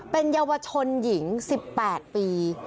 เป็นเยาวชนหญิง๑๘ปี